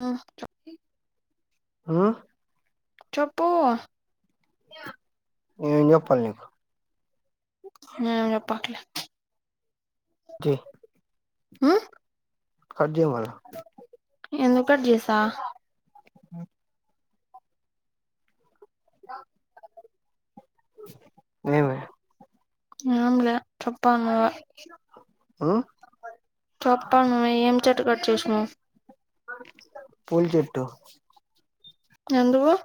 అ ఉ చొప్పూ ఏం చొప్పల నీకు ఎం చెప్పక్లే [unintelligible] హు కట్ చేయు మళ్ళ ఎందుకు కట్ చేస అ నా [unintelligible] ఏంలే చెప్పాల ఉమ్ చెప్పను ఏం చెట్టు కట్ చేసినవ్ పూల్ చెట్టు ఎందుకు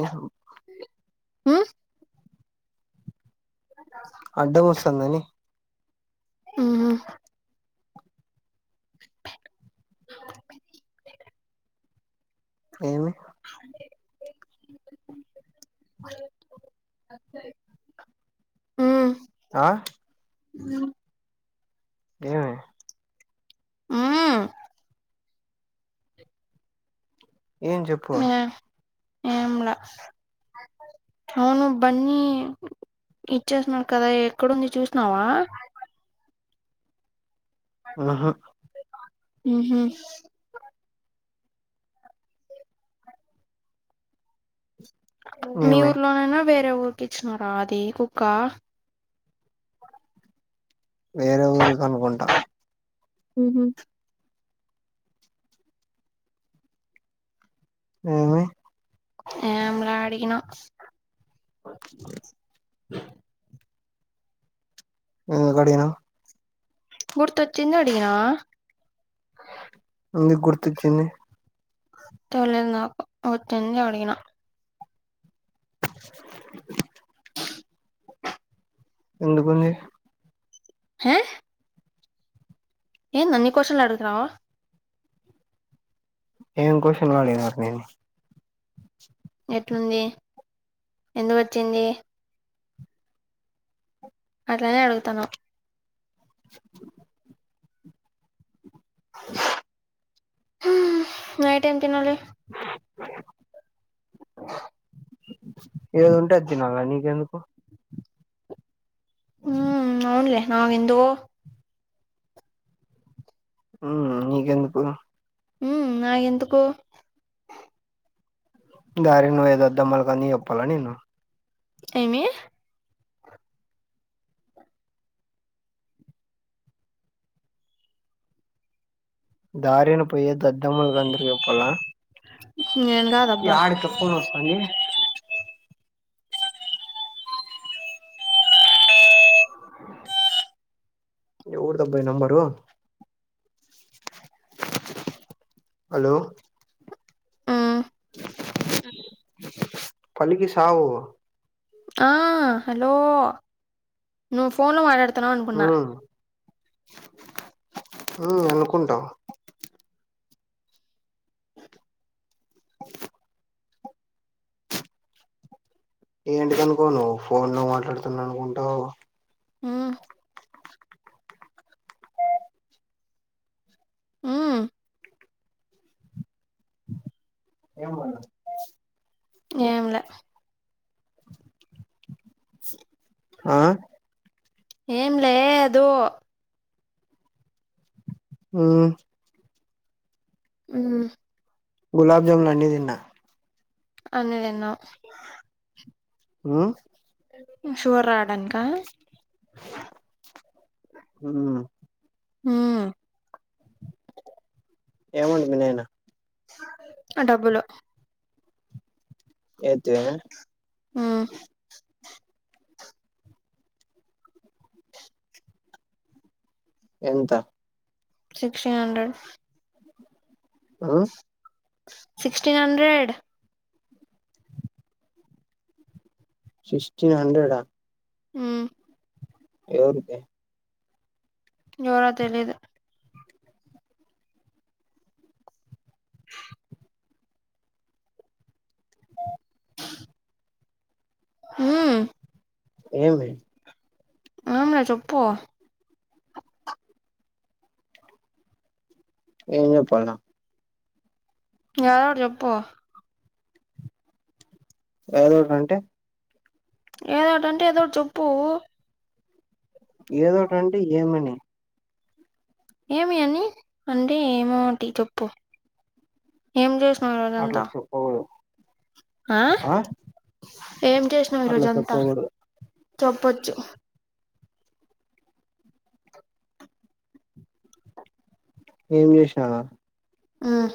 ఉహ్మ్ ఉ అడ్డం వస్తంది అని ఉహు ఏమి [unintelligible] ఉ ఆ హ్మ్ ఏమి హు ఏం చెప్పు ఏం లా అవును బన్నీ ఇచ్చేసినాడు కదా ఎక్కడుంది చూసినావా ఊహా ఊహూ మీ ఏమి ఊర్లోనేనా వేరే ఊరికి ఇచ్చినారా అది కుక్క వేరే ఊరికి అనుకుంటా ఊహూ ఊ ఏం లా అడిగినా [inaudible] అడిగినా గుర్తొచ్చింది అడిగినా ఎందుకు గుర్తొచ్చింది తెలీదు నాకు వచ్చింది అడిగినా ఎందుకుంది హే ఏంది అన్ని కొషన్లు అడుగుతున్నావు ఏం కొషన్లు అడిగినారు నిన్ ఎట్లుంది ఎందుకొచ్చింది అట్లనేే అడుగుతన్నావ్ హ్మ్ నైట్ ఏం తినాలి ఏది ఉంటే అది తినాలి నీకెందుకు ఊ అవునులే నాకెందుకో ఊ నీకెందుకు ఊ నాగెంతుకు దారిన పోయే దద్దమ్మలకి అన్నీ చెప్పాలా నేను ఏమి దారిన పోయ్యే దద్దమ్మలకి అందురికీ చెప్పాలా నేను గాదు అబ్బా అండి ఎవరిదబ్బా నంబరు హలో మ్మ్, పలికి సావు ఆ హలో నువ్ ఫోన్ లో మాటాడుతునావ్ అనుకున్నా ఊ అనుకుంటా అ ఏంటిదనుకోవు నువ్వు ఫోన్ లో మాట్లాడుతున్నా అనుకుంటావు ఊ ఊ ఏమో ఏంలా ఆ ఏం లేదు ఉమ్ ఉమ్ గులాబ్జములు అన్ని తిన్న అన్ని తిన్నావ్ ఉమ్ సుగర్ రావడానిక ఉమ్ ఉమ్ ఎమంట మీ నయినా డబ్బులు ఎద్దే ఉమ్ ఎంత సిక్స్టీన్ హండ్రెడ్ ఆ సిక్స్టీన్ హండ్రెడ్ సిక్స్టీన్ హండ్రెడ్ఆ ఉమ్ ఎవరికి ఎవరో తేలీదు ఉమ్ ఏమి ఎమ్లీ చెప్పు ఏం చెప్పాలా ఏదోకటి చెప్పు ఏదోకటి అంటే ఏదోకటింటే ఏదో ఒకటి చెప్పు ఏదోటింటే ఏమని ఏమి అని అంటే ఏమోటి చెప్పు ఏం చేస్త అట్లా చెప్పకూడదు ఆ ఏం చేసినావు అట్లా ఈరోజంతా చెప్పకూడదు చెప్పు ఏం చేసిననా ఉమ్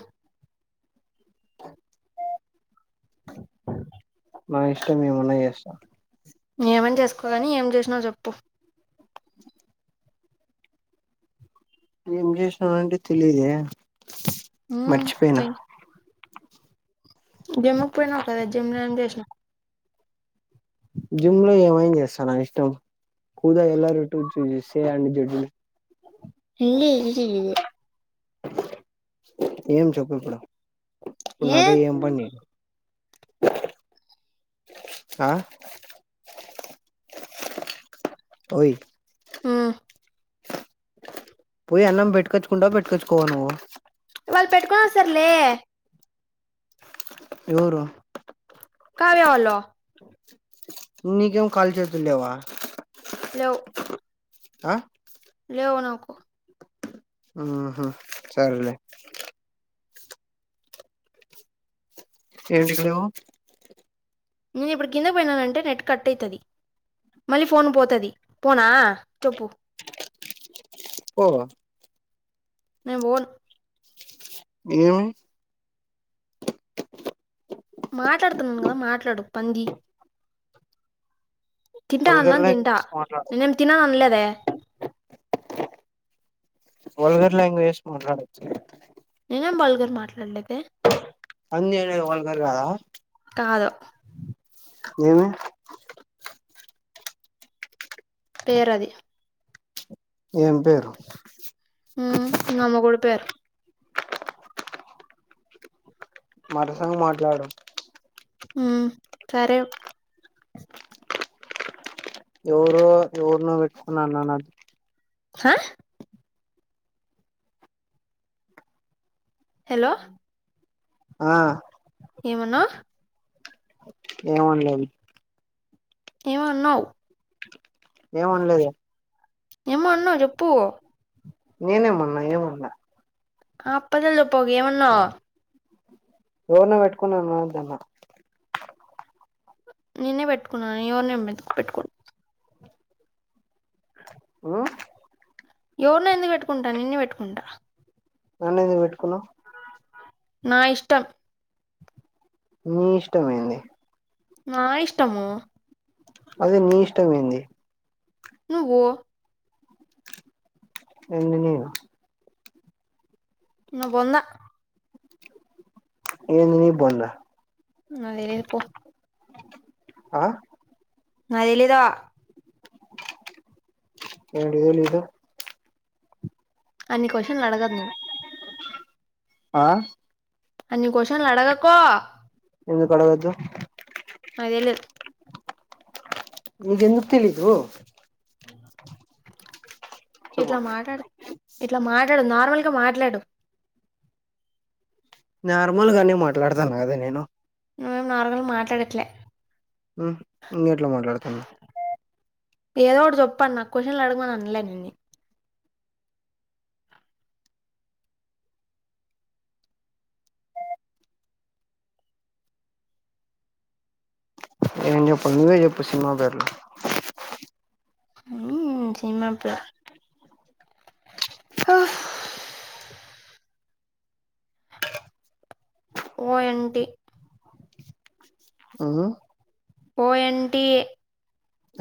స నా ఇష్టం ఏమన్నా చేస్తా ఏం అన్న చేసుకోగాని ఏం చేసినావు చెప్పు ఏం చేసినను అంటే తెలిదే ఉమ్ తే జిమ్కి పోయినావ్ కదా జిమ్ లో చేసిన వ్ జిమ్ లో ఏమైన్ చేస్తా నా ఇష్టం కూద ఎల్ల రొట్టు చూస్తే అ జడ్లు ఇలీ ఇది ఇవి ఏం చెప్పు ఇప్పుడు ఇప్పుడు ఏ నాతో ఏం పని అ ఒయ్ మ్ పోయి అన్నం పెట్టుకొచ్చుకుంట వా పెట్కొచ్చుకోవవు నువు వాళ్ పెట్టుకొని వస్తర్లే ఎవురు కావ్య వాల్లు ఇకేం కాల్లు చేతుల్ లేవ్వ లేవ్ ఆ లేవు నాకు ఊహు సరెలె ఏంటిక్ లేవు నేను ఇప్పుడు కింద పోయినానంటే నెట్ కట్ అయితది మళ్ళీ ఫోన్ పోతది పోనా చెప్పు ఓ నేన్ పోన్ ఏమి మాటాడుతున్నాను కదా మాట్లాడు పంది తింటా వల్గర్ అన్నం తింటా లాంగ్వేజ్ మాట్లాడకు నేనేం తినన్ అనలేదె వల్గర్ లాంగ్వేజ్ మాట్లాడచ్చ నేనేం వల్గర్ మాట్లాడలే అన్నినే వల్గర్ కాద కాదొ ఏమి పేరది ఏం పేరు ఉ నా మొగుడు పేరు మరసంగ్ మాట్లాడు ఉమ్ సరే ఎవరో ఎవర్నో పెట్టుకొని నన్న నొద్దు హా హెలో ఆ ఏమన్నావ్ ఏమన్లేద్ ఎమో అన్నావ్ ఏం అన్లేదుగా ఏమో అన్నవ్ చెప్పు నేనే మన్నా ఏమన్లా ఆప్పదల్ చెప్పుకు ఏమన్నావ్ ఎవర్న పెట్టుకున్నాను మాద్దన్న నీనే పెట్టుకున్నాను ఎవర్ని ఏం పెట్టుకో హా ఎవర్నో ఎందుకు పెట్టుకుంటా నిన్నే పెట్టుకుంట నన్నె ఎందుకు పెట్టుకున్నావు నా ఇష్టం నీ ఇష్టమేంది నా ఇష్టము అదే నీ నీ ఇష్టమేంది నువ్వు ఏంది నేను నా బొంద నేను నీ బొంద నాకు తెలిదు పో ఆ నాకు తెలీదు ఏంటి తేలీదు అన్ని క్వశ్చన్లు అడగదు ఆ అన్ని కోషన్లు అడగకు ఎందుకు అడగదు నాకు తెలీదు నీకు ఎందుకు తెలీదు ఉ చెప్పు ఇట్ల మాట్లాడు ఇట్లా మాట్లాడకు నార్మల్ గా మాట్లాడు నార్మల్ గానే మాట్లాడతన్న కదా నేను నువ్వేం నార్మలు మాట్లాడేట్లే హు ఇంకెట్లా మాట్లాడుతన్న ఏదో ఒకటి చెప్పన్న క్వశ్చన్లు అడగమన్లే నిన్నీ నేను చెప్పా నువ్వే చెప్పు సినిమా పేర్లు హు సినిమా పేర్లు ఓఎంటి ఆ పోఎంటి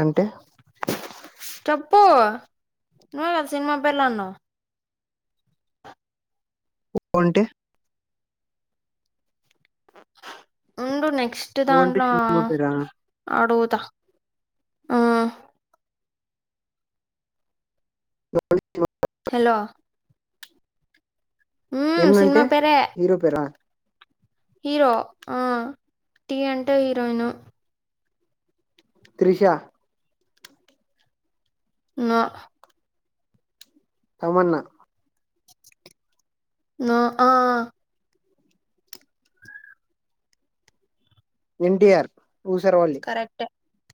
అంటే చెప్పు నువ్వే కాదా సినిమా పేర్లన్నావు అంటే ఉండు నెక్స్ట్ ఓ అంటే దాంట్లో సినిమా పేరా అడుగు తా ఆ [inaudible] హలో మ్మ్, ఏమంటే సినిమా పేరే హీరో పేరా హీరో ఆ టీ అంటే heroine Trisha no Tamannaah no ఆ ఎన్టీ ఆర్ ఉసరవల్లి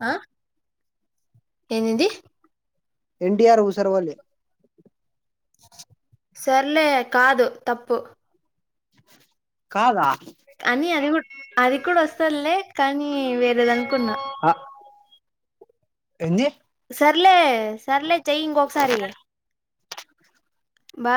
ఆ ఎంది ఎంది ఎన్ టి ఆర్ ఉసరవల్లి సర్లే కాదు తప్పు కాదా అని అది అది కూడా వస్తందిలే కానీ వేరేది అనుకున్నా ఎంది సర్లే సర్లే చెయ్ ఇంకోసారి